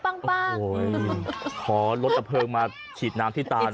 โอ้โฮขอลดสะเพิงมาฉีดน้ำที่ตาหน่อย